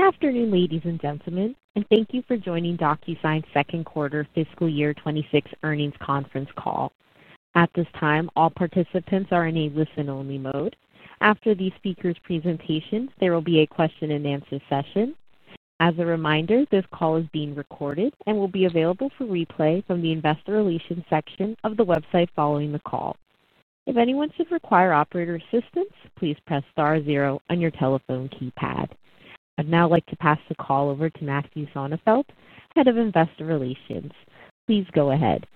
Good afternoon, ladies and gentlemen, and thank you for joining Docusign's Second Quarter Fiscal Year 2026 Earnings Conference Call. At this time, all participants are in a listen-only mode. After the speaker's presentation, there will be a question- and- answer session. As a reminder, this call is being recorded and will be available for replay from the Investor Relations section of the website following the call. If anyone should require operator assistance, please press star zero on your telephone keypad. I'd now like to pass the call over to Matthew Sonefeldt, Head of Investor Relations. Please go ahead.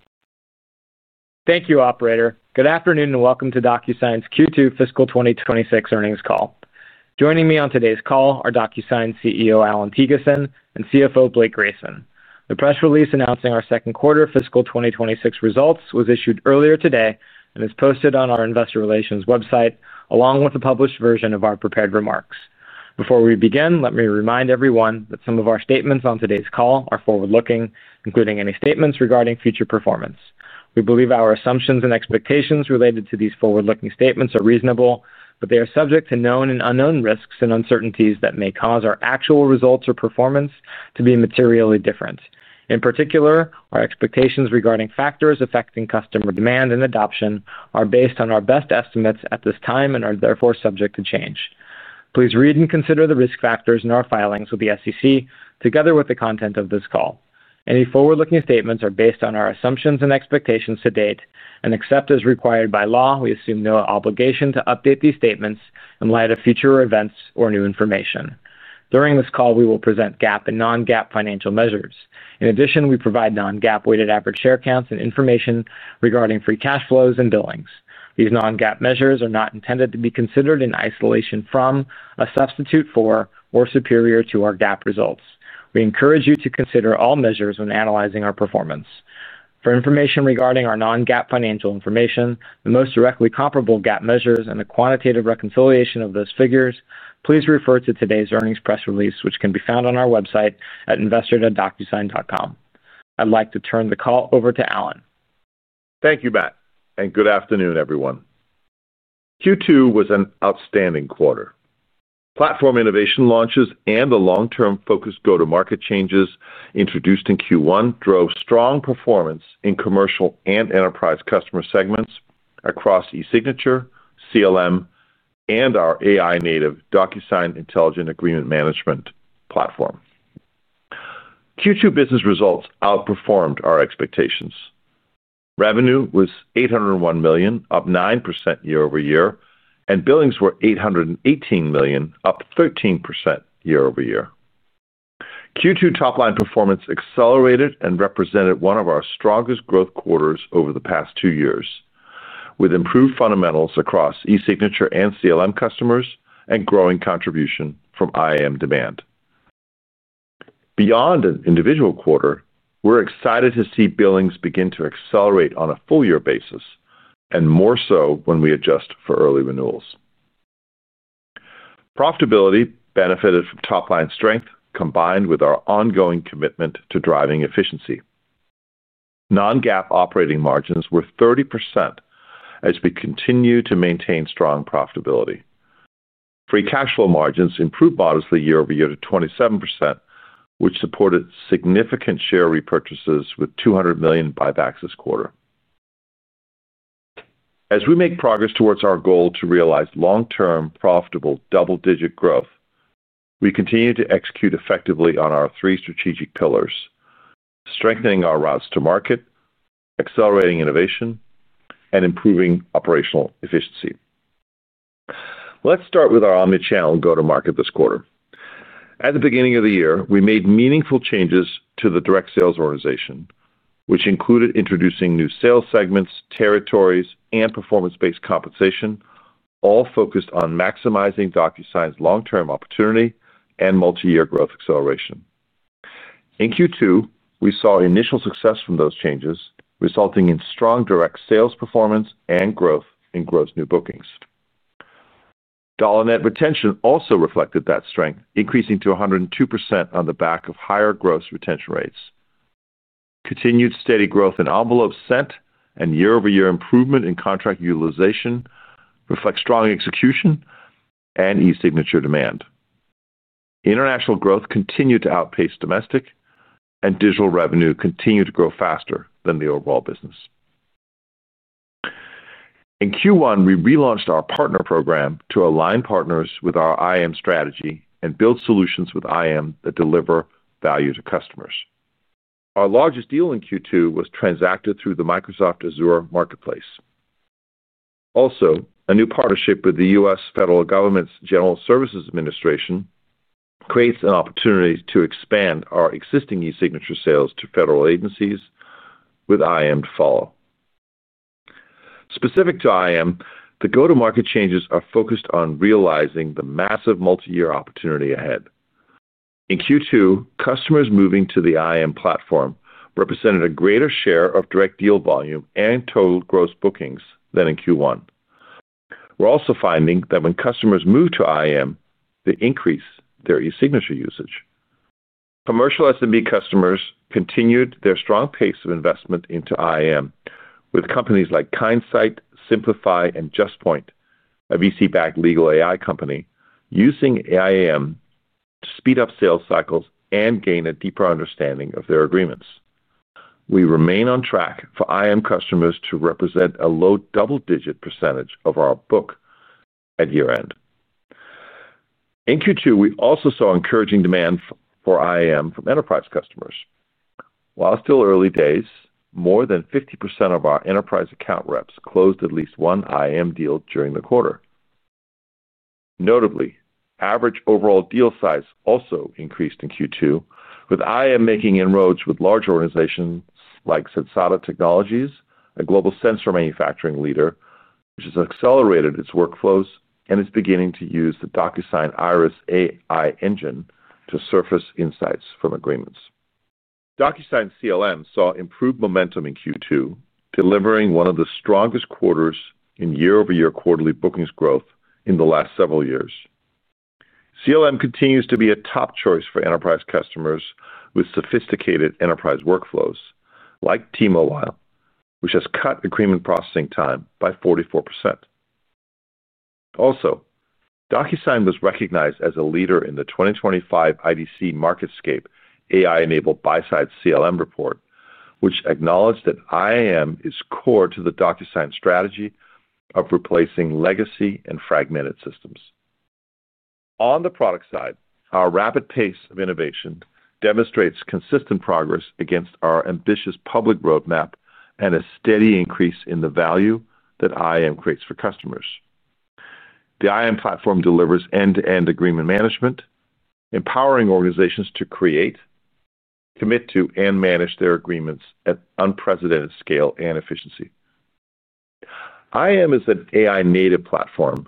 Thank you, operator. Good afternoon and welcome to Docusign's Q2 Fiscal 2026 Earnings Call. Joining me on today's call are Docusign's CEO Allan Thygesen and CFO Blake Grayson. The press release announcing our second quarter fiscal 2026 results was issued earlier today and is posted on our Investor Relations website, along with a published version of our prepared remarks. Before we begin, let me remind everyone that some of our statements on today's call are forward-looking, including any statements regarding future performance. We believe our assumptions and expectations related to these forward-looking statements are reasonable, but they are subject to known and unknown risks and uncertainties that may cause our actual results or performance to be materially different. In particular, our expectations regarding factors affecting customer demand and adoption are based on our best estimates at this time and are therefore subject to change. Please read and consider the risk factors in our filings with the SEC, together with the content of this call. Any forward-looking statements are based on our assumptions and expectations to date, and except as required by law, we assume no obligation to update these statements in light of future events or new information. During this call, we will present GAAP and non-GAAP financial measures. In addition, we provide non-GAAP weighted average share counts and information regarding free cash flows and billings. These non-GAAP measures are not intended to be considered in isolation from, a substitute for, or superior to our GAAP results. We encourage you to consider all measures when analyzing our performance. For information regarding our non-GAAP financial information, the most directly comparable GAAP measures, and the quantitative reconciliation of those figures, please refer to today's earnings press release, which can be found on our website at investor.docusign.com. I'd like to turn the call over to Allan. Thank you, Matt, and good afternoon, everyone. Q2 was an outstanding quarter. Platform innovation launches and the long-term focused go-to-market changes introduced in Q1 drove strong performance in commercial and enterprise customer segments across e-signature, CLM, and our AI-native Docusign Intelligent Agreement Management platform. Q2 business results outperformed our expectations. Revenue was $801 million, up 9% year-over-year, and billings were $818 million, up 13% year-over-year. Q2 top-line performance accelerated and represented one of our strongest growth quarters over the past two years, with improved fundamentals across e-signature and CLM customers and growing contribution from IAM demand. Beyond an individual quarter, we're excited to see billings begin to accelerate on a full-year basis, and more so when we adjust for early renewals. Profitability benefited from top-line strength, combined with our ongoing commitment to driving efficiency. Non-GAAP operating margins were 30% as we continue to maintain strong profitability. Free cash flow margins improved modestly year-over-year to 27%, which supported significant share repurchases with $200 million in buybacks this quarter. As we make progress towards our goal to realize long-term profitable double-digit growth, we continue to execute effectively on our three strategic pillars: strengthening our routes to market, accelerating innovation, and improving operational efficiency. Let's start with our omnichannel go-to-market this quarter. At the beginning of the year, we made meaningful changes to the direct sales organization, which included introducing new sales segments, territories, and performance-based compensation, all focused on maximizing Docusign's long-term opportunity and multi-year growth acceleration. In Q2, we saw initial success from those changes, resulting in strong direct sales performance and growth in gross new bookings. Dollar net retention also reflected that strength, increasing to 102% on the back of higher gross retention rates. Continued steady growth in envelopes sent and year-over-year improvement in contract utilization reflect strong execution and e-signature demand. International growth continued to outpace domestic, and digital revenue continued to grow faster than the overall business. In Q1, we relaunched our partner program to align partners with our IAM strategy and build solutions with IAM that deliver value to customers. Our largest deal in Q2 was transacted through the Microsoft Azure Marketplace. Also, a new partnership with the U.S. Federal Government's General Services Administration creates an opportunity to expand our existing e-signature sales to federal agencies, with IAM to follow. Specific to IAM, the go-to-market changes are focused on realizing the massive multi-year opportunity ahead. In Q2, customers moving to the IAM platform represented a greater share of direct deal volume and total gross bookings than in Q1. We're also finding that when customers move to IAM, they increase their e-signature usage. Commercial SMB customers continued their strong pace of investment into IAM, with companies like Kindsight, Simplify, and Justpoint, a VC-backed legal AI company, using IAM to speed up sales cycles and gain a deeper understanding of their agreements. We remain on track for IAM customers to represent a low double-digit percentage of our book at year-end. In Q2, we also saw encouraging demand for IAM from enterprise customers. While still early days, more than 50% of our enterprise account reps closed at least one IAM deal during the quarter. Notably, average overall deal size also increased in Q2, with IAM making inroads with large organizations like Sensata Technologies, a global sensor manufacturing leader, which has accelerated its workflows and is beginning to use the Docusign Iris AI engine to surface insights from agreements. Docusign's CLM saw improved momentum in Q2, delivering one of the strongest quarters in year-over-year quarterly bookings growth in the last several years. CLM continues to be a top choice for enterprise customers with sophisticated enterprise workflows, like T-Mobile, which has cut agreement processing time by 44%. Also, Docusign was recognized as a leader in the 2025 IDC MarketScape AI-enabled buy-side CLM report, which acknowledged that IAM is core to the Docusign strategy of replacing legacy and fragmented systems. On the product side, our rapid pace of innovation demonstrates consistent progress against our ambitious public roadmap and a steady increase in the value that IAM creates for customers. The IAM platform delivers end-to-end agreement management, empowering organizations to create, commit to, and manage their agreements at unprecedented scale and efficiency. IAM is an AI-native platform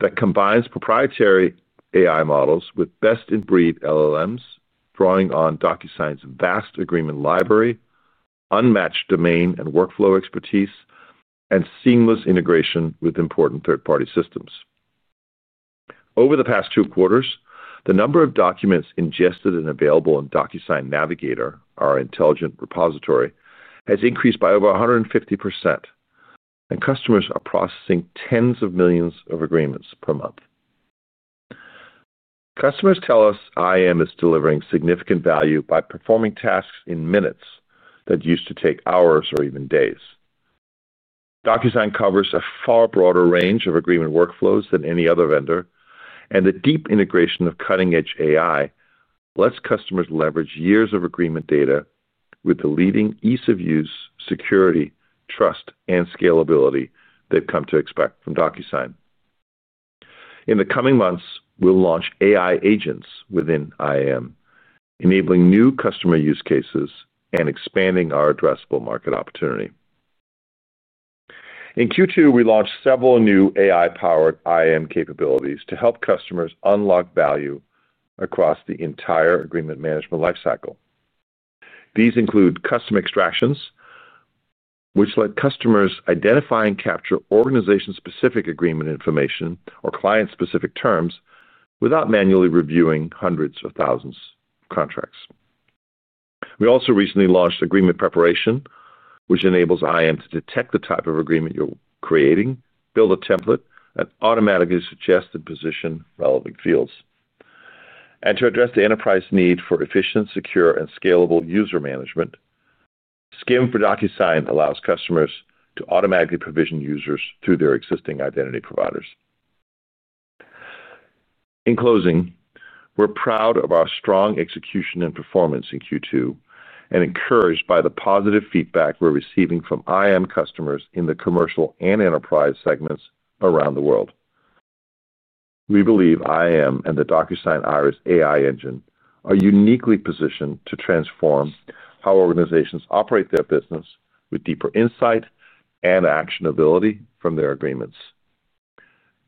that combines proprietary AI models with best-in-breed LLMs, drawing on Docusign's vast agreement library, unmatched domain and workflow expertise, and seamless integration with important third-party systems. Over the past two quarters, the number of documents ingested and available in Docusign Navigator, our intelligent repository, has increased by over 150%, and customers are processing tens of millions of agreements per month. Customers tell us IAM is delivering significant value by performing tasks in minutes that used to take hours or even days. Docusign covers a far broader range of agreement workflows than any other vendor, and the deep integration of cutting-edge AI lets customers leverage years of agreement data with the leading ease of use, security, trust, and scalability they've come to expect from Docusign. In the coming months, we'll launch AI agents within IAM, enabling new customer use cases and expanding our addressable market opportunity. In Q2, we launched several new AI-powered IAM capabilities to help customers unlock value across the entire agreement management lifecycle. These include custom extractions, which let customers identify and capture organization-specific agreement information or client-specific terms without manually reviewing hundreds or thousands of contracts. We also recently launched agreement preparation, which enables IAM to detect the type of agreement you're creating, build a template, and automatically suggest and position relevant fields. To address the enterprise need for efficient, secure, and scalable user management, SCIM for Docusign allows customers to automatically provision users through their existing identity providers. In closing, we're proud of our strong execution and performance in Q2 and encouraged by the positive feedback we're receiving from IAM customers in the commercial and enterprise segments around the world. We believe IAM and the Docusign Iris AI engine are uniquely positioned to transform how organizations operate their business with deeper insight and actionability from their agreements.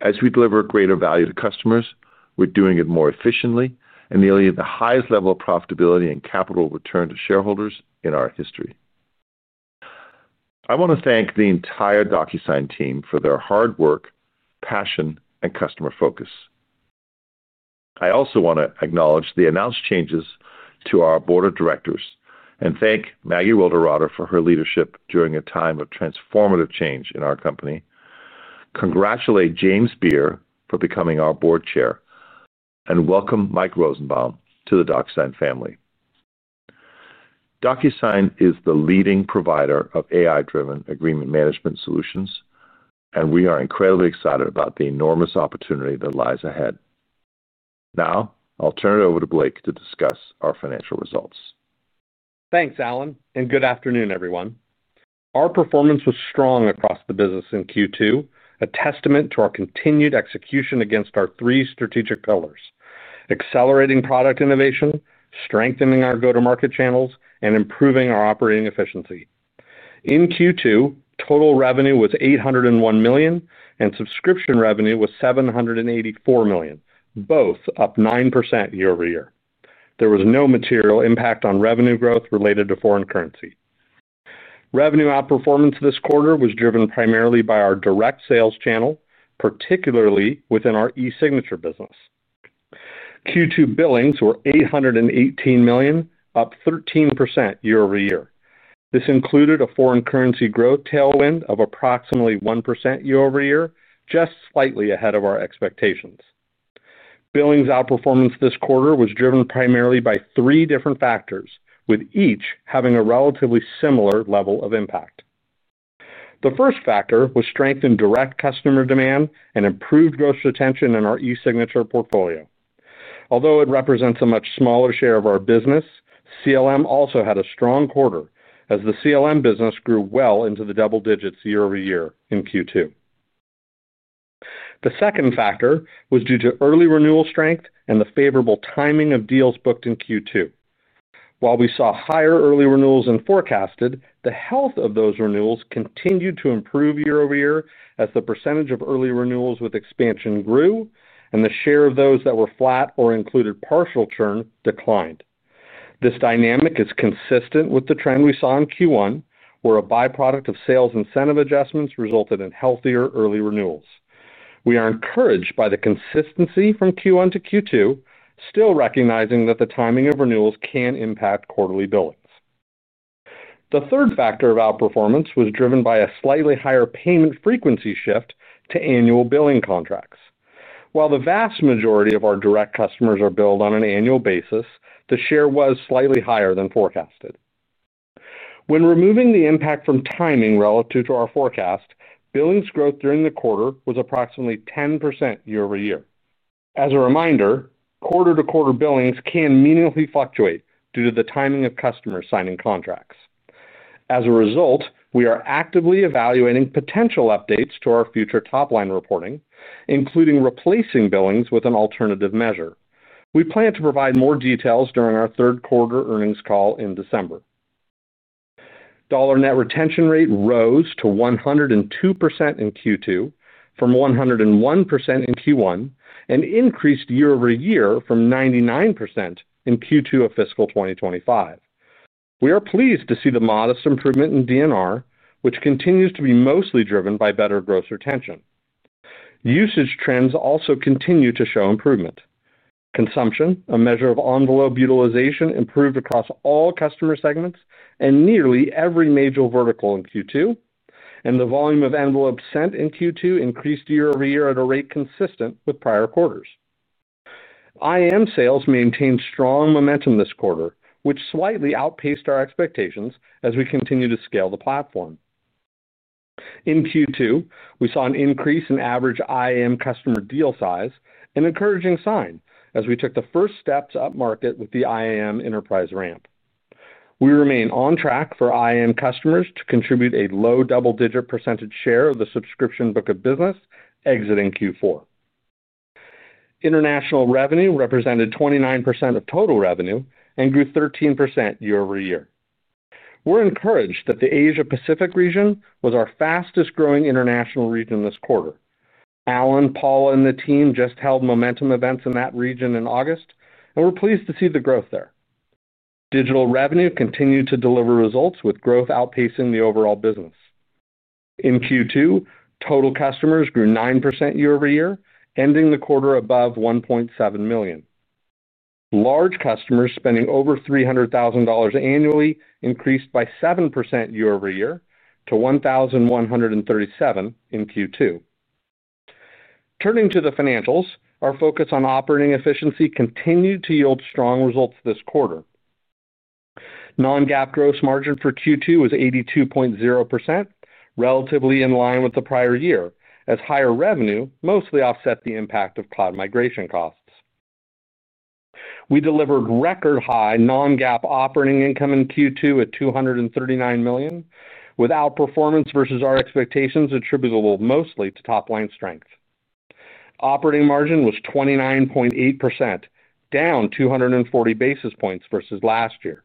As we deliver greater value to customers, we're doing it more efficiently and nearly at the highest level of profitability and capital return to shareholders in our history. I want to thank the entire Docusign team for their hard work, passion, and customer focus. I also want to acknowledge the announced changes to our Board of Directors and thank Maggie Wilderotter for her leadership during a time of transformative change in our company, congratulate James Beer for becoming our Board Chair, and welcome Mike Rosenbaum to the Docusign family. Docusign is the leading provider of AI-driven agreement management solutions, and we are incredibly excited about the enormous opportunity that lies ahead. Now, I'll turn it over to Blake to discuss our financial results. Thanks, Allan, and good afternoon, everyone. Our performance was strong across the business in Q2, a testament to our continued execution against our three strategic pillars: accelerating product innovation, strengthening our go-to-market channels, and improving our operating efficiency. In Q2, total revenue was $801 million, and subscription revenue was $784 million, both up 9% year-over-year. There was no material impact on revenue growth related to foreign currency. Revenue outperformance this quarter was driven primarily by our direct sales channel, particularly within our e-signature business. Q2 billings were $818 million, up 13% year-over-year. This included a foreign currency growth tailwind of approximately 1% year-over-year, just slightly ahead of our expectations. Billings outperformance this quarter was driven primarily by three different factors, with each having a relatively similar level of impact. The first factor was strength in direct customer demand and improved gross retention in our e-signature portfolio. Although it represents a much smaller share of our business, CLM also had a strong quarter, as the CLM business grew well into the double digits year-over-year in Q2. The second factor was due to early renewal strength and the favorable timing of deals booked in Q2. While we saw higher early renewals than forecasted, the health of those renewals continued to improve year-over-year as the percentage of early renewals with expansion grew, and the share of those that were flat or included partial churn declined. This dynamic is consistent with the trend we saw in Q1, where a byproduct of sales incentive adjustments resulted in healthier early renewals. We are encouraged by the consistency from Q1 to Q2, still recognizing that the timing of renewals can impact quarterly billings. The third factor of outperformance was driven by a slightly higher payment frequency shift to annual billing contracts. While the vast majority of our direct customers are billed on an annual basis, the share was slightly higher than forecasted. When removing the impact from timing relative to our forecast, billings growth during the quarter was approximately 10% year-over-year. As a reminder, quarter-to-quarter billings can meaningfully fluctuate due to the timing of customers signing contracts. As a result, we are actively evaluating potential updates to our future top-line reporting, including replacing billings with an alternative measure. We plan to provide more details during our third quarter earnings call in December. Dollar net retention rate rose to 102% in Q2, from 101% in Q1, and increased year-over-year from 99% in Q2 of fiscal 2025. We are pleased to see the modest improvement in DNR, which continues to be mostly driven by better gross retention. Usage trends also continue to show improvement. Consumption, a measure of envelope utilization, improved across all customer segments and nearly every major vertical in Q2, and the volume of envelopes sent in Q2 increased year-over-year at a rate consistent with prior quarters. IAM sales maintained strong momentum this quarter, which slightly outpaced our expectations as we continue to scale the platform. In Q2, we saw an increase in average IAM customer deal size, an encouraging sign as we took the first steps up market with the IAM enterprise ramp. We remain on track for IAM customers to contribute a low double-digit percentage share of the subscription book of business exiting Q4. International revenue represented 29% of total revenue and grew 13% year-over-year. We're encouraged that the Asia-Pacific region was our fastest growing international region this quarter. Allan, Paula, and the team just held momentum events in that region in August, and we're pleased to see the growth there. Digital revenue continued to deliver results with growth outpacing the overall business. In Q2, total customers grew 9% year-over-year, ending the quarter above $1.7 million. Large customers spending over $300,000 annually increased by 7% year-over-year to 1,137 in Q2. Turning to the financials, our focus on operating efficiency continued to yield strong results this quarter. Non-GAAP gross margin for Q2 was 82.0%, relatively in line with the prior year, as higher revenue mostly offset the impact of cloud migration costs. We delivered record-high non-GAAP operating income in Q2 at $239 million, with outperformance versus our expectations attributable mostly to top-line strength. Operating margin was 29.8%, down 240 basis points versus last year.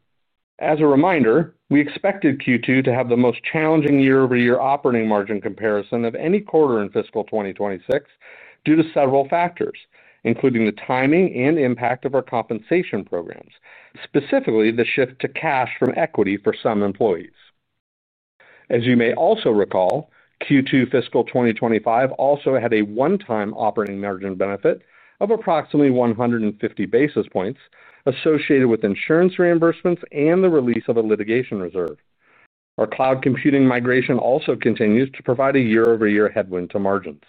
As a reminder, we expected Q2 to have the most challenging year-over-year operating margin comparison of any quarter in fiscal 2026 due to several factors, including the timing and impact of our compensation programs, specifically the shift to cash from equity for some employees. As you may also recall, Q2 fiscal 2025 also had a one-time operating margin benefit of approximately 150 basis points associated with insurance reimbursements and the release of a litigation reserve. Our cloud migration also continues to provide a year-over-year headwind to margins.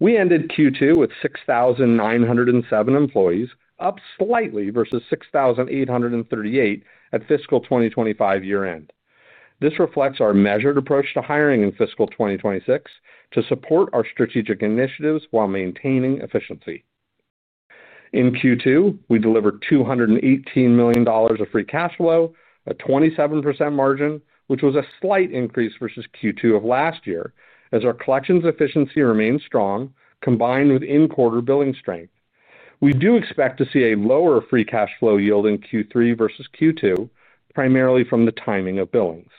We ended Q2 with 6,907 employees, up slightly versus 6,838 at fiscal 2025 year-end. This reflects our measured approach to hiring in fiscal 2026 to support our strategic initiatives while maintaining efficiency. In Q2, we delivered $218 million of free cash flow, a 27% margin, which was a slight increase versus Q2 of last year, as our collections efficiency remains strong, combined with in-quarter billing strength. We do expect to see a lower free cash flow yield in Q3 versus Q2, primarily from the timing of billings.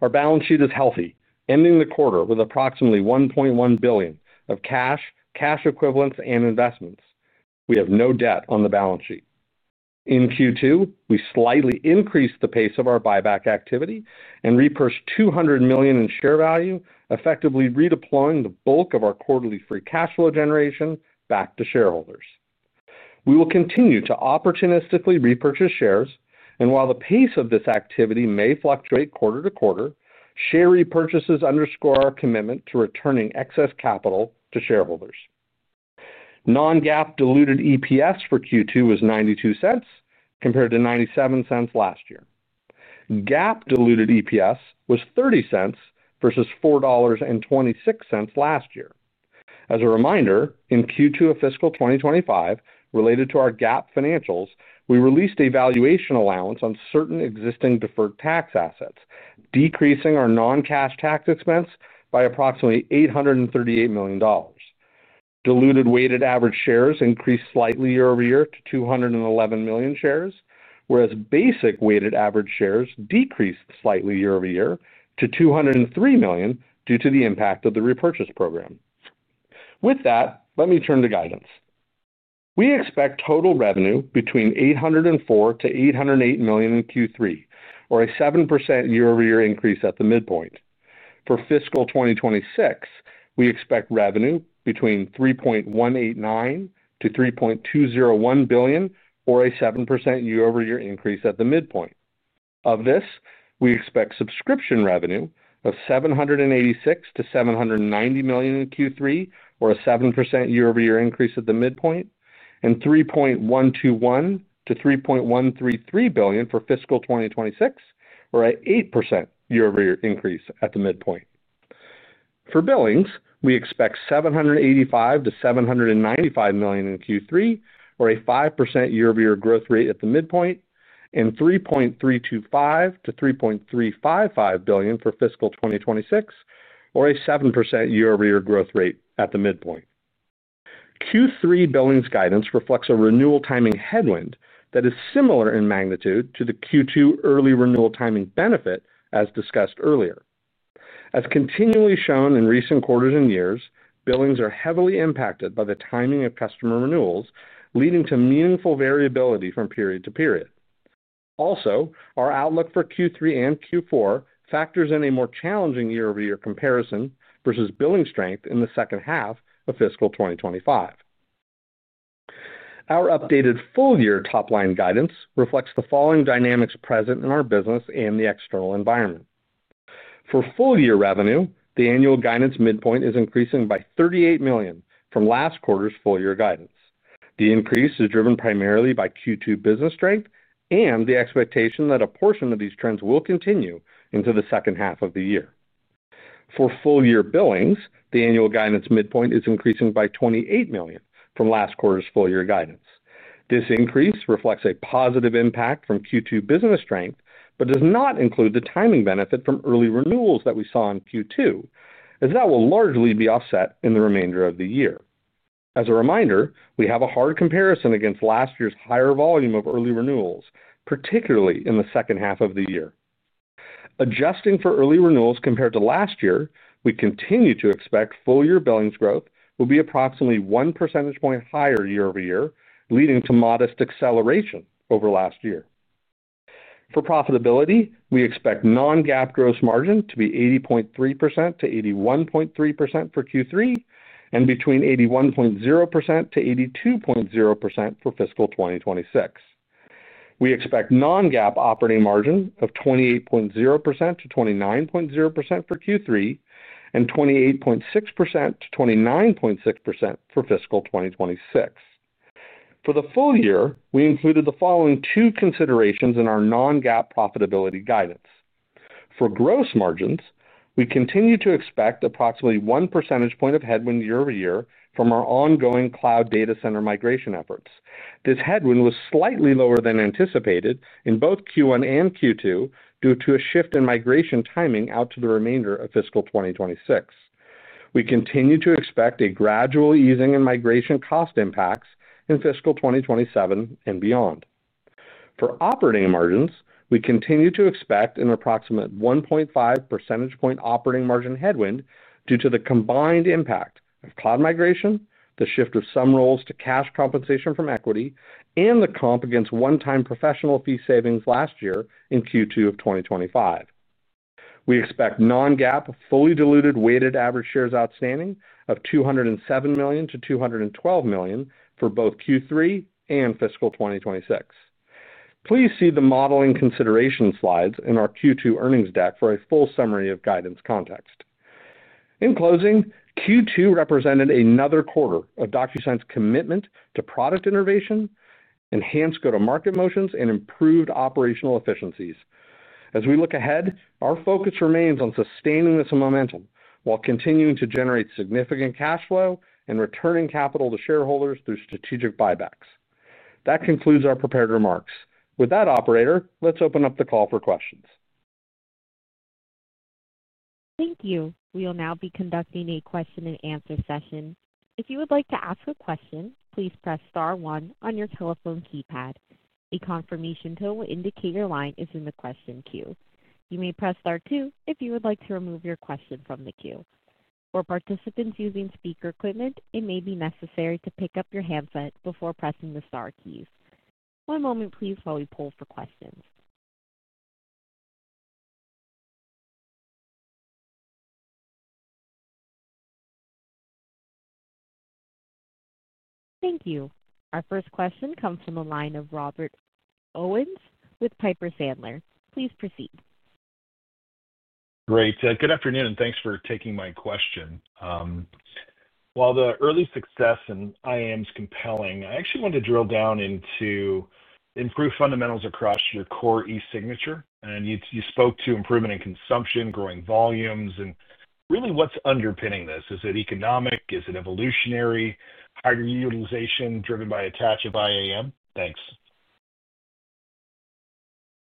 Our balance sheet is healthy, ending the quarter with approximately $1.1 billion of cash, cash equivalents, and investments. We have no debt on the balance sheet. In Q2, we slightly increased the pace of our buyback activity and repurchased $200 million in share value, effectively redeploying the bulk of our quarterly free cash flow generation back to shareholders. We will continue to opportunistically repurchase shares, and while the pace of this activity may fluctuate quarter to quarter, share repurchases underscore our commitment to returning excess capital to shareholders. Non-GAAP diluted EPS for Q2 was $0.92 compared to $0.97 last year. GAAP diluted EPS was $0.30 versus $4.26 last year. As a reminder, in Q2 of fiscal 2025, related to our GAAP financials, we released a valuation allowance on certain existing deferred tax assets, decreasing our non-cash tax expense by approximately $838 million. Diluted weighted average shares increased slightly year-over-year to 211 million shares, whereas basic weighted average shares decreased slightly year-over-year to 203 million due to the impact of the repurchase program. With that, let me turn to guidance. We expect total revenue between $804 million- $808 million in Q3, or a 7% year-over-year increase at the midpoint. For fiscal 2026, we expect revenue between $3.189 billion- $3.201 billion, or a 7% year-over-year increase at the midpoint. Of this, we expect subscription revenue of $786 million- $790 million in Q3, or a 7% year-over-year increase at the midpoint, and $3.121 billion- $3.133 billion for fiscal 2026, or an 8% year-over-year increase at the midpoint. For billings, we expect $785 million- $795 million in Q3, or a 5% year-over-year growth rate at the midpoint, and $3.325 billion- $3.355 billion for fiscal 2026, or a 7% year-over-year growth rate at the midpoint. Q3 billings guidance reflects a renewal timing headwind that is similar in magnitude to the Q2 early renewal timing benefit as discussed earlier. As continually shown in recent quarters and years, billings are heavily impacted by the timing of customer renewals, leading to meaningful variability from period to period. Also, our outlook for Q3 and Q4 factors in a more challenging year-over-year comparison versus billing strength in the second half of fiscal 2025. Our updated full-year top-line guidance reflects the following dynamics present in our business and the external environment. For full-year revenue, the annual guidance midpoint is increasing by $38 million from last quarter's full-year guidance. The increase is driven primarily by Q2 business strength and the expectation that a portion of these trends will continue into the second half of the year. For full-year billings, the annual guidance midpoint is increasing by $28 million from last quarter's full-year guidance. This increase reflects a positive impact from Q2 business strength, but does not include the timing benefit from early renewals that we saw in Q2, as that will largely be offset in the remainder of the year. As a reminder, we have a hard comparison against last year's higher volume of early renewals, particularly in the second half of the year. Adjusting for early renewals compared to last year, we continue to expect full-year billings growth will be approximately 1 percentage point higher year-over-year, leading to modest acceleration over last year. For profitability, we expect non-GAAP gross margin to be 80.3%- 81.3% for Q3 and between 81.0%- 82.0% for fiscal 2026. We expect non-GAAP operating margin of 28.0%- 29.0% for Q3 and 28.6%- 29.6% for fiscal 2026. For the full year, we included the following two considerations in our non-GAAP profitability guidance. For gross margins, we continue to expect approximately 1 percentage point of headwind year-over-year from our ongoing cloud data center migration efforts. This headwind was slightly lower than anticipated in both Q1 and Q2 due to a shift in migration timing out to the remainder of fiscal 2026. We continue to expect a gradual easing in migration cost impacts in fiscal 2027 and beyond. For operating margins, we continue to expect an approximate 1.5% operating margin headwind due to the combined impact of cloud migration, the shift of some roles to cash compensation from equity, and the comp against one-time professional fee savings last year in Q2 of 2025. We expect non-GAAP fully diluted weighted average shares outstanding of $207 million- $212 million for both Q3 and fiscal 2026. Please see the modeling consideration slides in our Q2 earnings deck for a full summary of guidance context. In closing, Q2 represented another quarter of Docusign's commitment to product innovation, enhanced go-to-market motions, and improved operational efficiencies. As we look ahead, our focus remains on sustaining this momentum while continuing to generate significant cash flow and returning capital to shareholders through strategic buybacks. That concludes our prepared remarks. With that, operator, let's open up the call for questions. Thank you. We will now be conducting a question- and- answer session. If you would like to ask a question, please press star one on your telephone keypad. A confirmation tone will indicate your line is in the question queue. You may press star two if you would like to remove your question from the queue. For participants using speaker equipment, it may be necessary to pick up your handset before pressing the star keys. One moment, please, while we pull for questions. Thank you. Our first question comes from the line of Robert Owens with Piper Sandler. Please proceed. Great. Good afternoon, and thanks for taking my question. While the early success in IAM is compelling, I actually want to drill down into improved fundamentals across your core e-signature. You spoke to improvement in consumption, growing volumes, and really what's underpinning this. Is it economic? Is it evolutionary? Are your utilization driven by attached to IAM? Thanks.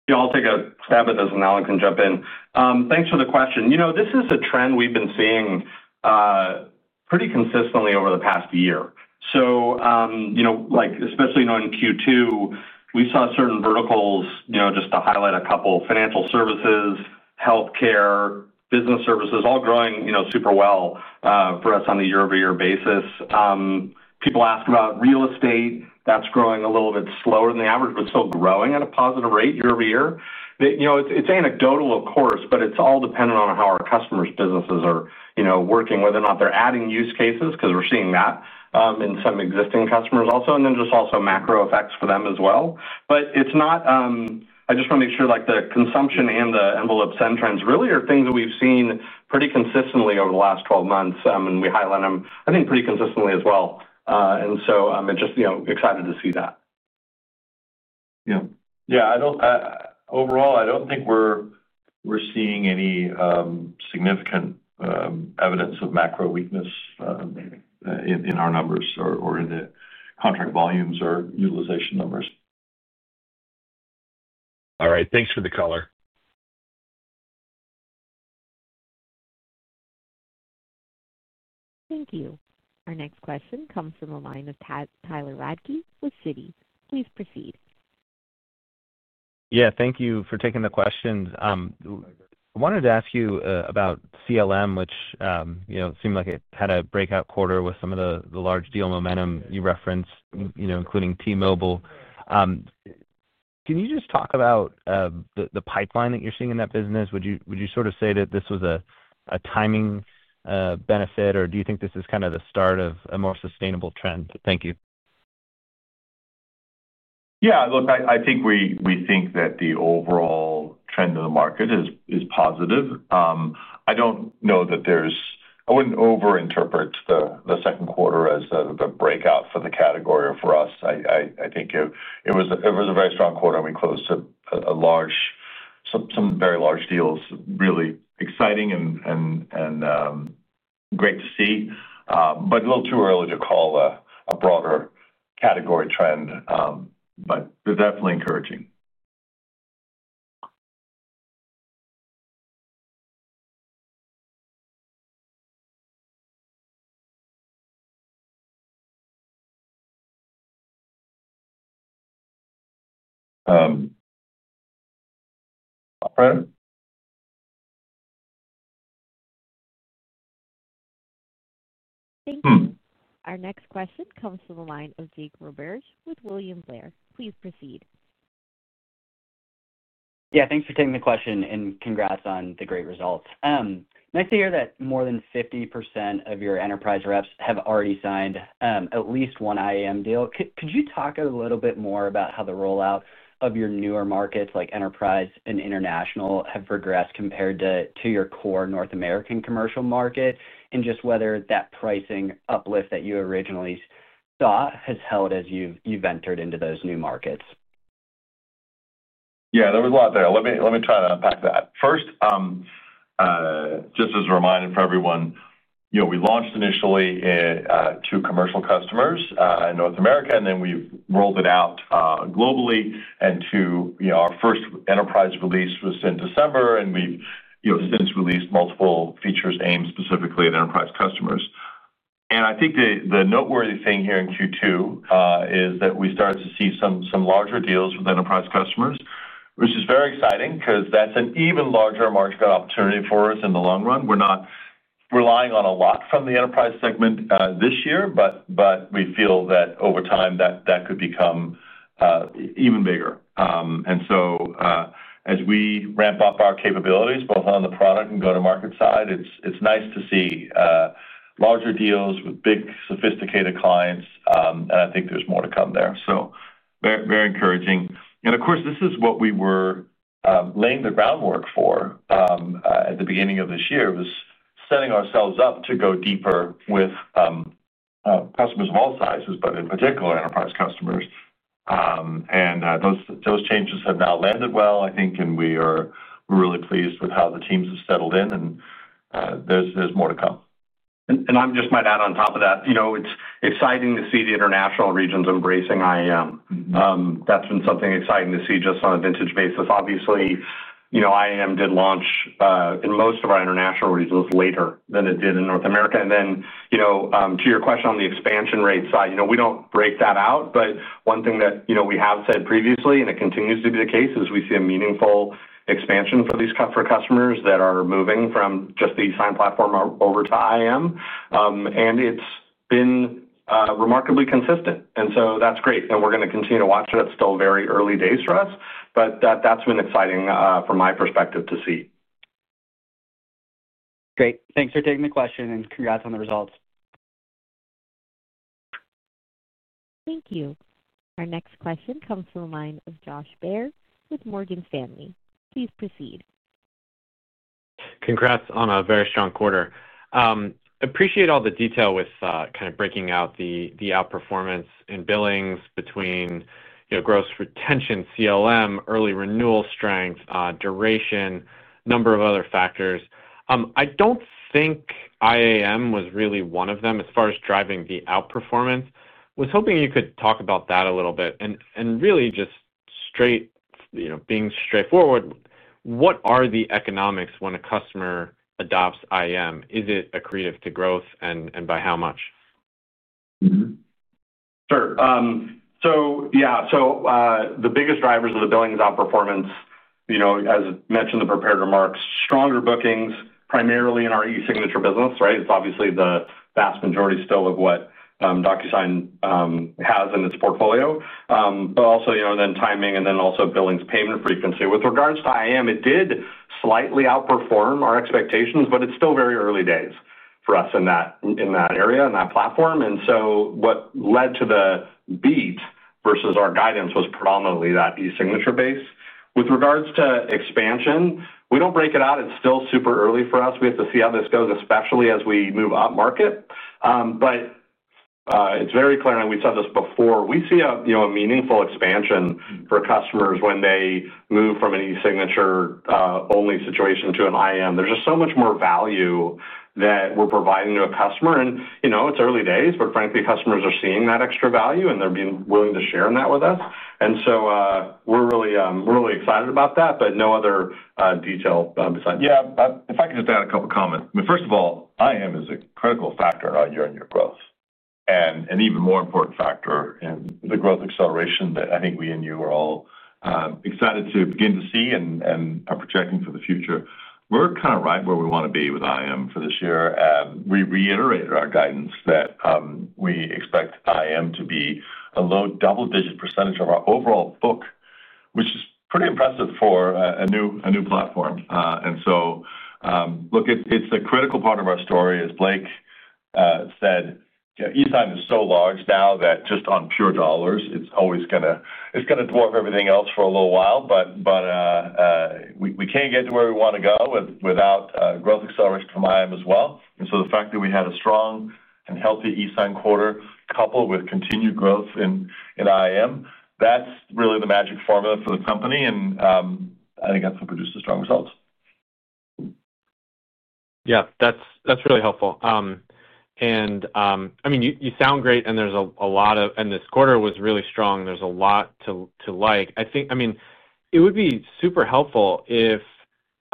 Yeah, I'll take a stab at this and then Allan can jump in. Thanks for the question. This is a trend we've been seeing pretty consistently over the past year. Especially in Q2, we saw certain verticals, just to highlight a couple: financial services, healthcare, business services, all growing super well for us on a year-over-year basis. People ask about real estate. That's growing a little bit slower than the average, but still growing at a positive rate year-over-year. It's anecdotal, of course, but it's all dependent on how our customers' businesses are working, whether or not they're adding use cases, because we're seeing that in some existing customers also, and also macro effects for them as well. I just want to make sure the consumption and the envelope send trends really are things that we've seen pretty consistently over the last 12 months, and we highlight them, I think, pretty consistently as well. It's just exciting to see that. Yeah, I don't think we're seeing any significant evidence of macro weakness in our numbers or in the contract volumes or utilization numbers. All right. Thanks for the color. Thank you. Our next question comes from the line of Tyler Radke with Citi. Please proceed. Yeah, thank you for taking the question. I wanted to ask you about CLM, which, you know, seemed like it had a breakout quarter with some of the large deal momentum you referenced, you know, including T-Mobile. Can you just talk about the pipeline that you're seeing in that business? Would you sort of say that this was a timing benefit, or do you think this is kind of the start of a more sustainable trend? Thank you. Yeah, look, I think we think that the overall trend in the market is positive. I don't know that there's, I wouldn't overinterpret the second quarter as the breakout for the category or for us. I think it was a very strong quarter, and we closed some very large deals, really exciting and great to see, but a little too early to call a broader category trend. They're definitely encouraging. Thank you. Our next question comes from the line of Jake Roberge with William Blair. Please proceed. Yeah, thanks for taking the question, and congrats on the great results. Nice to hear that more than 50% of your enterprise reps have already signed at least one IAM deal. Could you talk a little bit more about how the rollout of your newer markets, like enterprise and international, have progressed compared to your core North American commercial market, and just whether that pricing uplift that you originally thought has held as you've entered into those new markets? Yeah, there was a lot there. Let me try to unpack that. First, just as a reminder for everyone, you know, we launched initially to commercial customers in North America, and then we've rolled it out globally. Our first enterprise release was in December, and we've since released multiple features aimed specifically at enterprise customers. I think the noteworthy thing here in Q2 is that we started to see some larger deals with enterprise customers, which is very exciting because that's an even larger market opportunity for us in the long run. We're not relying on a lot from the enterprise segment this year, but we feel that over time that could become even bigger. As we ramp up our capabilities, both on the product and go-to-market side, it's nice to see larger deals with big sophisticated clients, and I think there's more to come there. Very encouraging. Of course, this is what we were laying the groundwork for at the beginning of this year, setting ourselves up to go deeper with customers of all sizes, but in particular enterprise customers. Those changes have now landed well, I think, and we are really pleased with how the teams have settled in, and there's more to come. I just might add on top of that, you know, it's exciting to see the international regions embracing IAM. That's been something exciting to see just on a vintage basis. Obviously, you know, IAM did launch in most of our international regions later than it did in North America. To your question on the expansion rate side, you know, we don't break that out, but one thing that, you know, we have said previously, and it continues to be the case, is we see a meaningful expansion for these customers that are moving from just the sign platform over to IAM. It's been remarkably consistent, so that's great. We're going to continue to watch that. It's still very early days for us, but that's been exciting from my perspective to see. Great. Thanks for taking the question, and congrats on the results. Thank you. Our next question comes from the line of Josh Baer with Morgan Stanley. Please proceed. Congrats on a very strong quarter. Appreciate all the detail with kind of breaking out the outperformance in billings between, you know, gross retention, CLM, early renewal strength, duration, a number of other factors. I don't think IAM was really one of them as far as driving the outperformance. I was hoping you could talk about that a little bit. Really just being straightforward, what are the economics when a customer adopts IAM? Is it accretive to growth and by how much? Sure. The biggest drivers of the billings outperformance, as mentioned in the prepared remarks, were stronger bookings, primarily in our e-signature business. It's obviously the vast majority still of what Docusign has in its portfolio, but also timing and billings payment frequency. With regards to IAM, it did slightly outperform our expectations, but it's still very early days for us in that area and that platform. What led to the beat versus our guidance was predominantly that e-signature base. With regards to expansion, we don't break it out. It's still super early for us. We have to see how this goes, especially as we move up market. It is very clear, and we said this before, we see a meaningful expansion for customers when they move from an e-signature-only situation to an IAM. There's just so much more value that we're providing to a customer. It's early days, but frankly, customers are seeing that extra value, and they're being willing to share in that with us. We're really, really excited about that, but no other detail besides that. Yeah, if I could just add a couple of comments. First of all, IAM is a critical factor in our year-on-year growth and an even more important factor in the growth acceleration that I think we and you are all excited to begin to see and are projecting for the future. We're kind of right where we want to be with IAM for this year. We reiterated our guidance that we expect IAM to be a low double-digit percentage of our overall book, which is pretty impressive for a new platform. It's a critical part of our story. As Blake said, e-sign is so large now that just on pure dollars, it's always going to dwarf everything else for a little while. We can't get to where we want to go without growth acceleration from IAM as well. The fact that we had a strong and healthy e-sign quarter, coupled with continued growth in IAM, that's really the magic formula for the company. I think that's what produced the strong results. Yeah, that's really helpful. You sound great, and this quarter was really strong. There's a lot to like. I think it would be super helpful if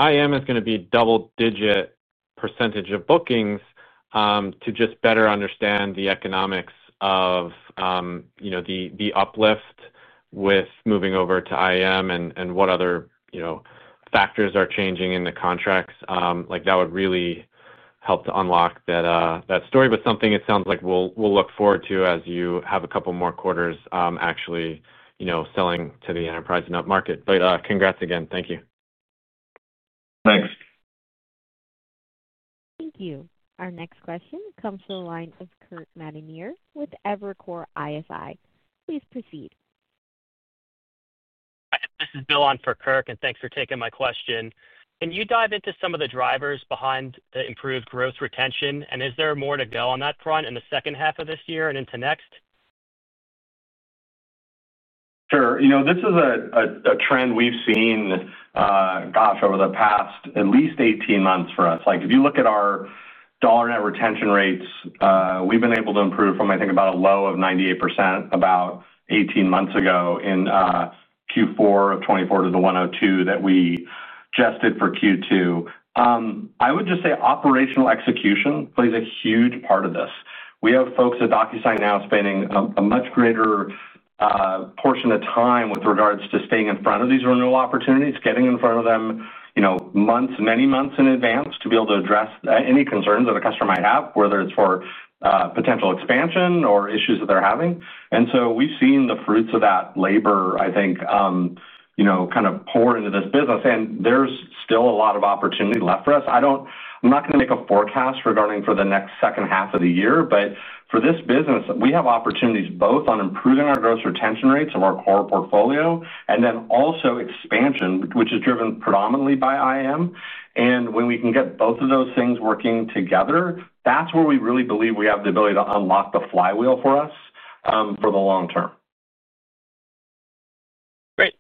IAM is going to be a double-digit percentage of bookings to just better understand the economics of the uplift with moving over to IAM and what other factors are changing in the contracts. That would really help to unlock that story, but it sounds like we'll look forward to as you have a couple more quarters actually selling to the enterprise and up market. Congrats again. Thank you. Thanks. Thank you. Our next question comes from the line of Kirk Materne with Evercore ISI. Please proceed. This is Bill on for Kirk, and thanks for taking my question. Can you dive into some of the drivers behind the improved gross retention, and is there more to go on that front in the second half of this year and into next? Sure. This is a trend we've seen over the past at least 18 months for us. If you look at our dollar net retention rates, we've been able to improve from, I think, about a low of 98% about 18 months ago in Q4 of 2024 to the 102% that we just did for Q2. I would just say operational execution plays a huge part of this. We have folks at Docusign now spending a much greater portion of time with regards to staying in front of these renewal opportunities, getting in front of them months, many months in advance to be able to address any concerns that a customer might have, whether it's for potential expansion or issues that they're having. We've seen the fruits of that labor, I think, kind of pour into this business. There's still a lot of opportunity left for us. I'm not going to make a forecast regarding the next second half of the year, but for this business, we have opportunities both on improving our gross retention rates of our core portfolio and also expansion, which is driven predominantly by IAM. When we can get both of those things working together, that's where we really believe we have the ability to unlock the flywheel for us for the long- term.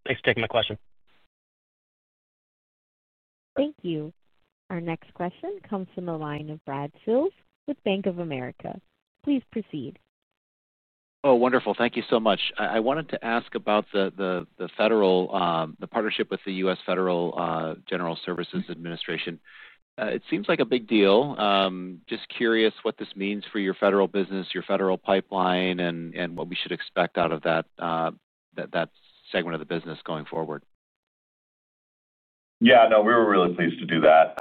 Great. Thanks for taking the question. Thank you. Our next question comes from the line of Brad Sills with Bank of America. Please proceed. Oh, wonderful. Thank you so much. I wanted to ask about the federal, the partnership with the U.S. Federal General Services Administration. It seems like a big deal. Just curious what this means for your federal business, your federal pipeline, and what we should expect out of that segment of the business going forward. Yeah, no, we were really pleased to do that.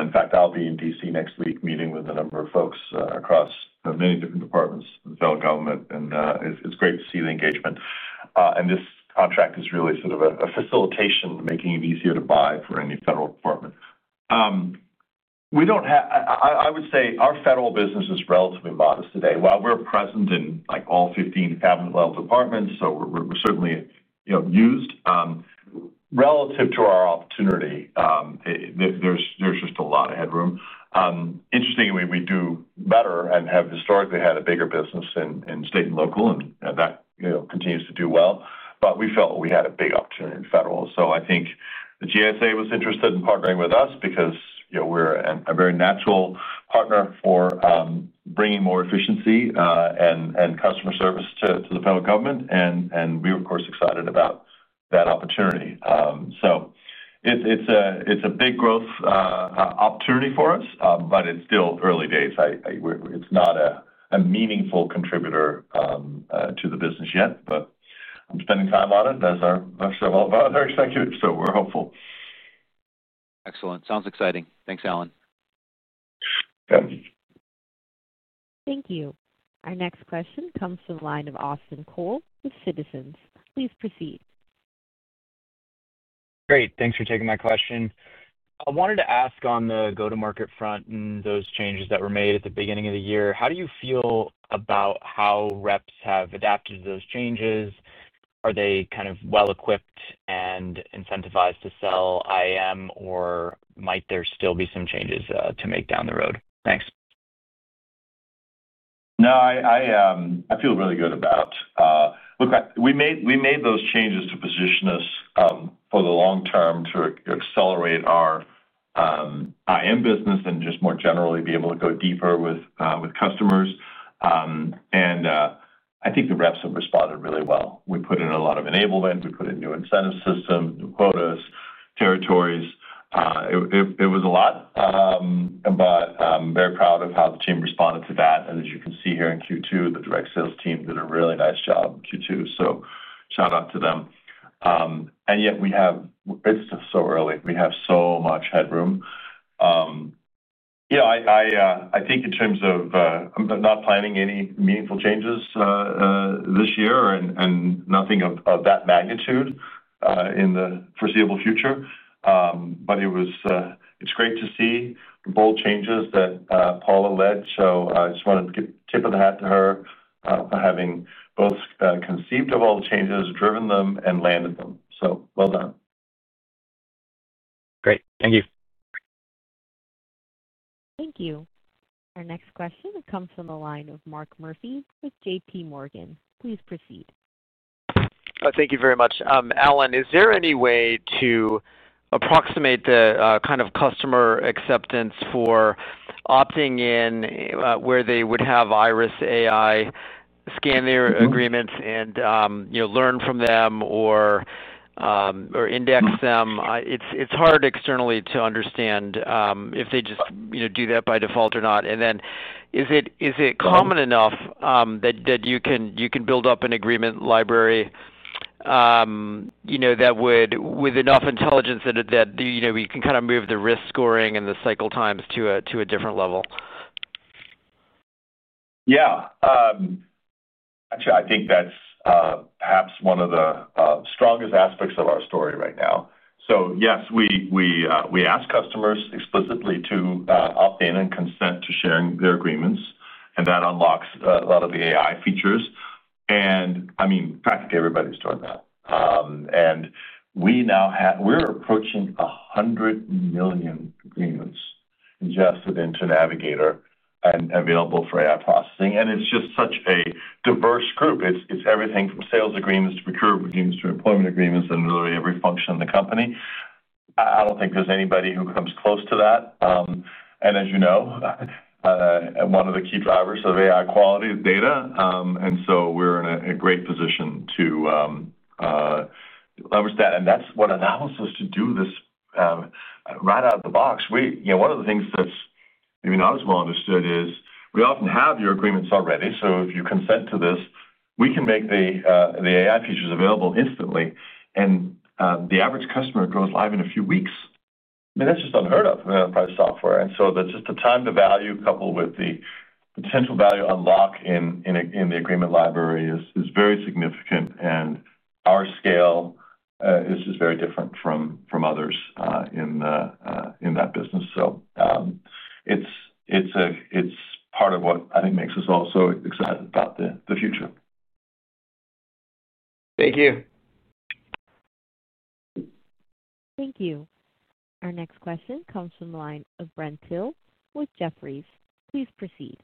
In fact, I'll be in D.C. next week meeting with a number of folks across many different departments in the federal government, and it's great to see the engagement. This contract is really sort of a facilitation in making it easier to buy for any federal department. Our federal business is relatively modest today. We're present in all 15 cabinet-level departments, so we're certainly, you know, used. Relative to our opportunity, there's just a lot of headroom. Interestingly, we do better and have historically had a bigger business in state and local, and that continues to do well. We felt we had a big opportunity in federal. I think the GSA was interested in partnering with us because, you know, we're a very natural partner for bringing more efficiency and customer service to the federal government. We were, of course, excited about that opportunity. It's a big growth opportunity for us, but it's still early days. It's not a meaningful contributor to the business yet, but I'm spending time on it as our CFO and Vice Executive, so we're hopeful. Excellent. Sounds exciting. Thanks, Allan. Thank you. Our next question comes from the line of Austin Cole with Citizens. Please proceed. Great. Thanks for taking my question. I wanted to ask on the go-to-market front and those changes that were made at the beginning of the year. How do you feel about how reps have adapted to those changes? Are they kind of well-equipped and incentivized to sell IAM, or might there still be some changes to make down the road? Thanks. No, I feel really good about it. Look, we made those changes to position us for the long- term to accelerate our IAM business and just more generally be able to go deeper with customers. I think the reps have responded really well. We put in a lot of enablement. We put in new incentive systems, new quotas, territories. It was a lot. I am very proud of how the team responded to that. As you can see here in Q2, the direct sales team did a really nice job in Q2. Shout out to them. Yet we have, it's just so early. We have so much headroom. I think in terms of not planning any meaningful changes this year and nothing of that magnitude in the foreseeable future. It was great to see bold changes that Paula led. I just wanted to give a tip of the hat to her for having both conceived of all the changes, driven them, and landed them. Well done. Great. Thank you. Thank you. Our next question comes from the line of Mark Murphy with JP Morgan. Please proceed. Thank you very much. Allan, is there any way to approximate the kind of customer acceptance for opting in where they would have Iris AI scan their agreements and, you know, learn from them or index them? It's hard externally to understand if they just, you know, do that by default or not. Is it common enough that you can build up an agreement library that would, with enough intelligence, you can kind of move the risk scoring and the cycle times to a different level? Yeah. Actually, I think that's perhaps one of the strongest aspects of our story right now. Yes, we ask customers explicitly to opt in and consent to sharing their agreements, and that unlocks a lot of the AI features. I mean, practically everybody's doing that. We now have, we're approaching 100 million agreements ingested into Navigator and available for AI processing. It's just such a diverse group. It's everything from sales agreements to procurement agreements to employment agreements and really every function in the company. I don't think there's anybody who comes close to that. As you know, one of the key drivers of AI quality is data, and we're in a great position to leverage that. That's what allows us to do this right out of the box. One of the things that's even not as well understood is we often have your agreements already. If you consent to this, we can make the AI features available instantly, and the average customer goes live in a few weeks. That's just unheard of in enterprise software. The time to value coupled with the potential value unlock in the agreement library is very significant, and our scale is just very different from others in that business. It's part of what I think makes us all so excited about the future. Thank you. Thank you. Our next question comes from the line of Brent Thill with Jefferies. Please proceed.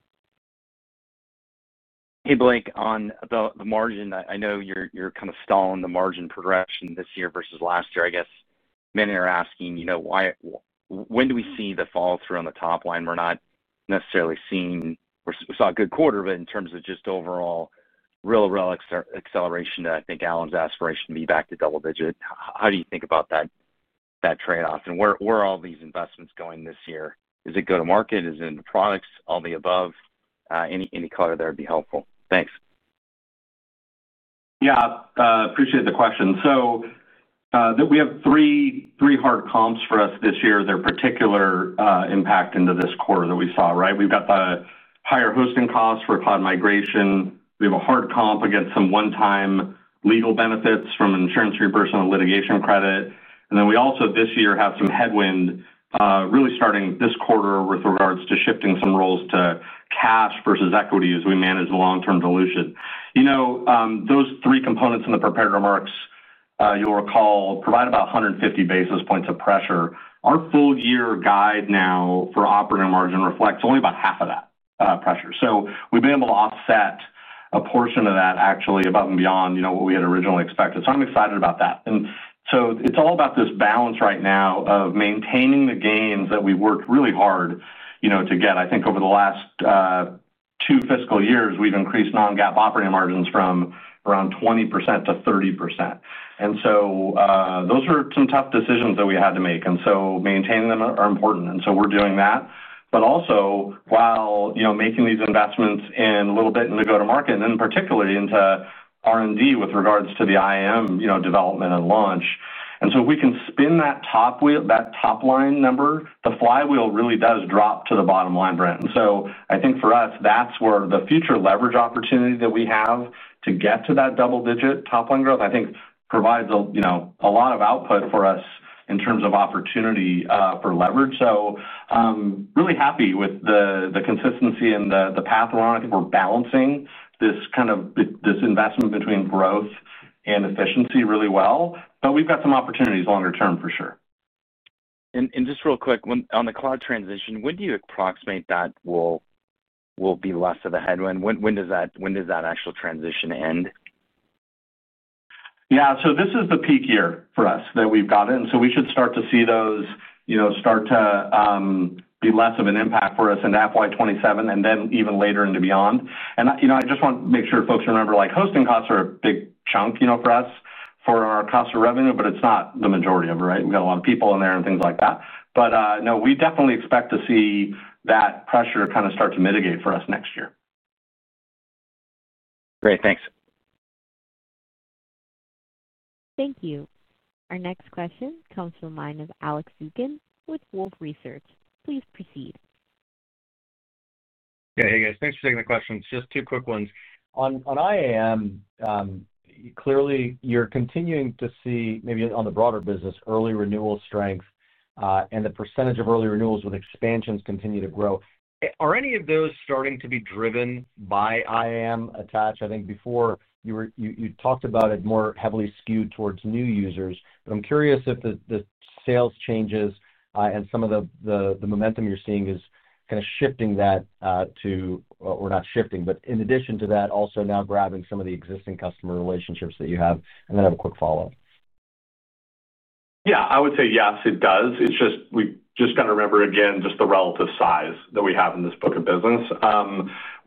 Hey, Blake, on the margin, I know you're kind of stalling the margin progression this year versus last year. I guess many are asking, you know, when do we see the follow-through on the top line? We're not necessarily seeing, we saw a good quarter, but in terms of just overall real-world acceleration to, I think, Allan's aspiration to be back to double-digit. How do you think about that trade-off? Where are all these investments going this year? Is it go-to-market? Is it in the products? All the above? Any color there would be helpful. Thanks. Yeah, I appreciate the question. We have three hard comps for us this year that are particularly impacting this quarter that we saw, right? We've got the higher hosting costs for cloud migration. We have a hard comp against some one-time legal benefits from insurance reimbursement and litigation credit. We also this year have some headwind really starting this quarter with regards to shifting some roles to cash versus equity as we manage the long-term dilution. Those three components in the prepared remarks, you'll recall, provide about 150 basis points of pressure. Our full-year guide now for operating margin reflects only about half of that pressure. We've been able to offset a portion of that actually above and beyond what we had originally expected. I'm excited about that. It's all about this balance right now of maintaining the gains that we've worked really hard to get. I think over the last two fiscal years, we've increased non-GAAP operating margins from around 20% to 30%. Those are some tough decisions that we had to make. Maintaining them is important. We're doing that, while also making these investments a little bit into the go-to-market and particularly into R&D with regards to the IAM development and launch. If we can spin that top line number, the flywheel really does drop to the bottom line, Brent. I think for us, that's where the future leverage opportunity that we have to get to that double-digit top line growth provides a lot of output for us in terms of opportunity for leverage. I'm really happy with the consistency and the path we're on. I think we're balancing this investment between growth and efficiency really well. We've got some opportunities longer term for sure. On the cloud transition, when do you approximate that will be less of a headwind? When does that actual transition end? Yeah, this is the peak year for us that we've gotten. We should start to see those start to be less of an impact for us in FY2027 and then even later into beyond. I just want to make sure folks remember, hosting costs are a big chunk for us, for our cost of revenue, but it's not the majority of it, right? We've got a lot of people in there and things like that. We definitely expect to see that pressure kind of start to mitigate for us next year. Great, thanks. Thank you. Our next question comes from the line of Alex Zukin with Wolfe Research. Please proceed. Yeah, hey guys, thanks for taking the question. Just two quick ones. On IAM, clearly you're continuing to see, maybe on the broader business, early renewal strength and the percentage of early renewals when expansions continue to grow. Are any of those starting to be driven by IAM Attached? I think before you talked about it more heavily skewed towards new users, but I'm curious if the sales changes and some of the momentum you're seeing is kind of shifting that to, or not shifting, but in addition to that, also now grabbing some of the existing customer relationships that you have, and then I have a quick follow-up. Yeah, I would say yes, it does. We just have to remember again the relative size that we have in this book of business.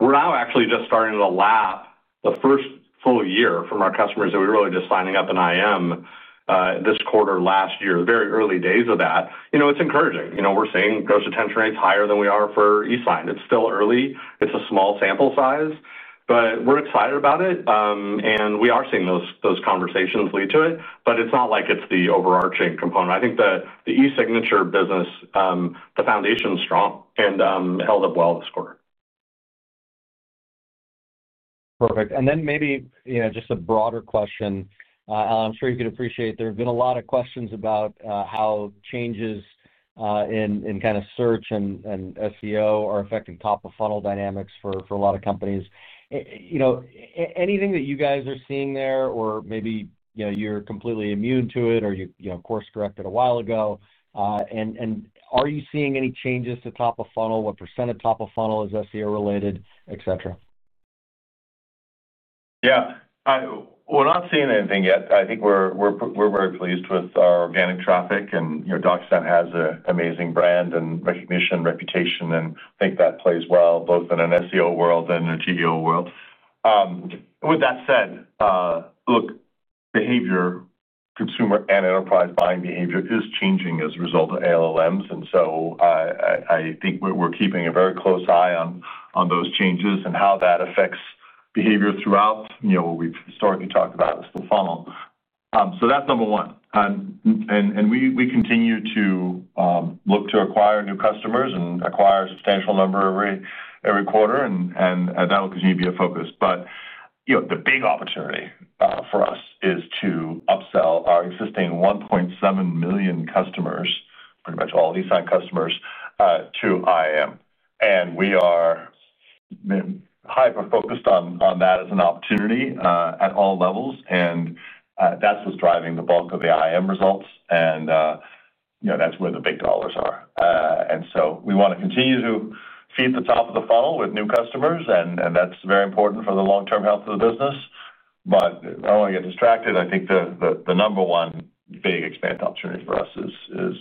We're now actually just starting to lap the first full year from our customers that we were really just signing up in IAM this quarter last year, the very early days of that. It's encouraging. We're seeing gross retention rates higher than we are for e-sign. It's still early. It's a small sample size, but we're excited about it. We are seeing those conversations lead to it, but it's not like it's the overarching component. I think the e-signature business, the foundation is strong and held up well this quarter. Perfect. Maybe just a broader question. I'm sure you could appreciate there have been a lot of questions about how changes in kind of search and SEO are affecting top-of-funnel dynamics for a lot of companies. You know, anything that you guys are seeing there, or maybe you're completely immune to it, or you course-corrected a while ago, and are you seeing any changes to top-of-funnel? What percent of top-of-funnel is SEO-related, etc.? Yeah, we're not seeing anything yet. I think we're very pleased with our organic traffic, and Docusign has an amazing brand and recognition and reputation, and I think that plays well both in an SEO world and a TEO world. With that said, behavior, consumer and enterprise buying behavior is changing as a result of ALMs. I think we're keeping a very close eye on those changes and how that affects behavior throughout, you know, what we've historically talked about is the funnel. That's number one. We continue to look to acquire new customers and acquire a substantial number every quarter, and that'll continue to be a focus. You know, the big opportunity for us is to upsell our existing 1.7 million customers, pretty much all e-sign customers, to IAM. We are hyper-focused on that as an opportunity at all levels, and that's what's driving the bulk of the IAM results, and you know, that's where the big dollars are. We want to continue to feed the top of the funnel with new customers, and that's very important for the long-term health of the business. I don't want to get distracted. I think the number one big expanded opportunity for us is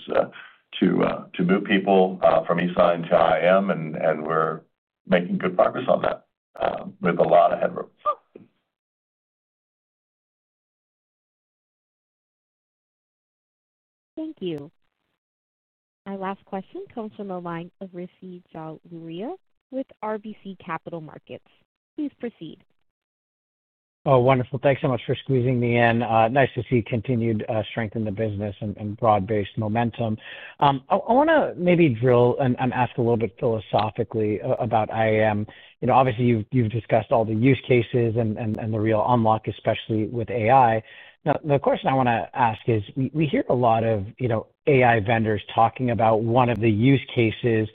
to move people from e-sign to IAM, and we're making good progress on that with a lot of headroom. Thank you. Our last question comes from a line of Rishi Jaluria with RBC Capital Markets. Please proceed. Oh, wonderful. Thanks so much for squeezing me in. Nice to see continued strength in the business and broad-based momentum. I want to maybe drill and ask a little bit philosophically about IAM. You know, obviously, you've discussed all the use cases and the real unlock, especially with AI. The question I want to ask is we hear a lot of, you know, AI vendors talking about one of the use cases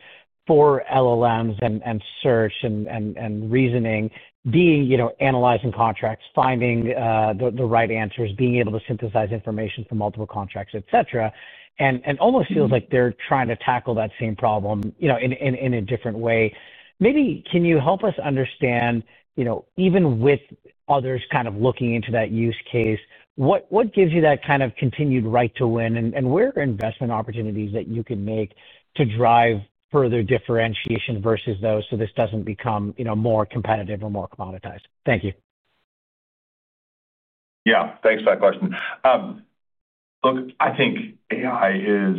for LLMs and search and reasoning being, you know, analyzing contracts, finding the right answers, being able to synthesize information from multiple contracts, etc. It almost feels like they're trying to tackle that same problem, you know, in a different way. Maybe can you help us understand, you know, even with others kind of looking into that use case, what gives you that kind of continued right to win and where are investment opportunities that you can make to drive further differentiation versus those so this doesn't become, you know, more competitive or more commoditized? Thank you. Yeah, thanks for that question. I think AI is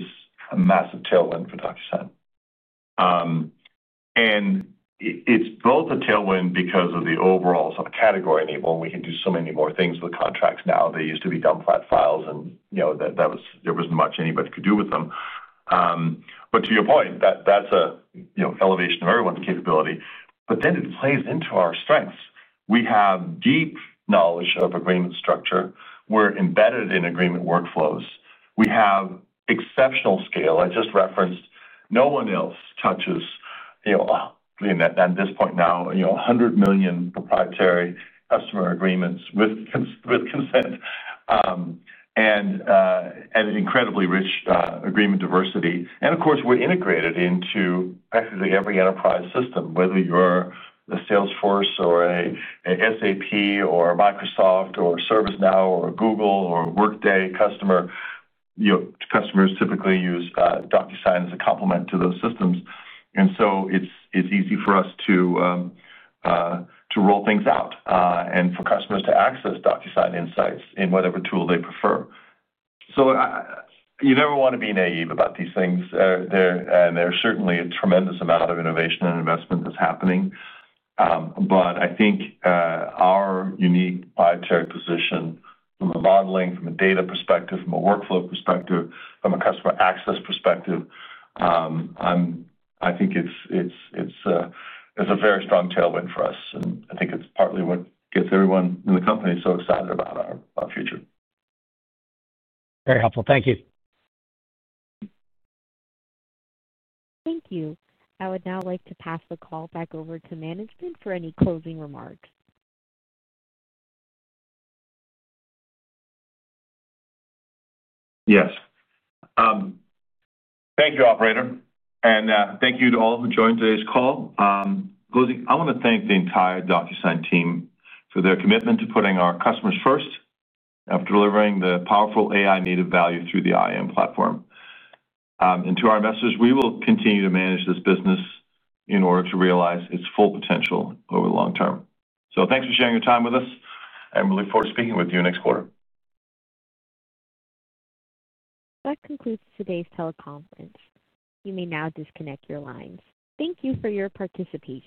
a massive tailwind for Docusign. It's both a tailwind because of the overall category enablement. We can do so many more things with contracts now. They used to be dumb flat files, and there wasn't much anybody could do with them. To your point, that's an elevation of everyone's capability. It plays into our strengths. We have deep knowledge of agreement structure. We're embedded in agreement workflows. We have exceptional scale. I just referenced, no one else touches, at this point now, 100 million proprietary customer agreements with consent and an incredibly rich agreement diversity. Of course, we're integrated into practically every enterprise system, whether you're the Salesforce or an SAP or Microsoft or ServiceNow or Google or Workday customer. Customers typically use Docusign as a complement to those systems. It's easy for us to roll things out and for customers to access Docusign insights in whatever tool they prefer. You never want to be naive about these things. There's certainly a tremendous amount of innovation and investment that's happening. I think our unique proprietary position from a modeling, from a data perspective, from a workflow perspective, from a customer access perspective, is a very strong tailwind for us. I think it's partly what gets everyone in the company so excited about our future. Very helpful. Thank you. Thank you. I would now like to pass the call back over to management for any closing remarks. Yes. Thank you, operator. Thank you to all who joined today's call. I want to thank the entire Docusign team for their commitment to putting our customers first after delivering the powerful AI-native value through the IAM platform. To our investors, we will continue to manage this business in order to realize its full potential over the long- term. Thank you for sharing your time with us, and we look forward to speaking with you next quarter. That concludes today's teleconference. You may now disconnect your lines. Thank you for your participation.